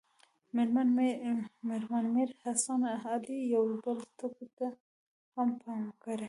مېرمن میر حسن علي یو بل ټکي ته هم پام کړی.